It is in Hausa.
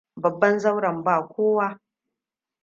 Babban zauren ba kowa.